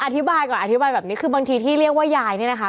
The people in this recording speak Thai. อธิบายก่อนอธิบายแบบนี้คือบางทีที่เรียกว่ายายเนี่ยนะคะ